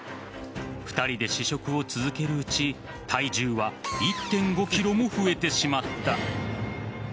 ２人で試食を続けるうち体重は１．５ｋｇも増えてしまった。